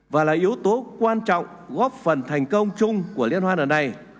và là yếu tố quan trọng góp phần thành công chung của liên hoan ở đây